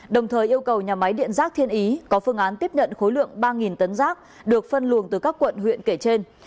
đồng thời yêu cầu nhà máy điện rác thiên ý có phương án tiếp nhận khối lượng ba tấn rác được phân luồng từ các quận huyện kể trên